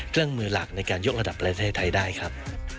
เครื่องมือหลักในการยกระดับประเทศไทยได้ครับ